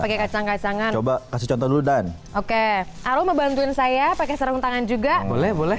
pasangan coba kasih contoh dulu dan oke alo membantuin saya pakai sarung tangan juga boleh boleh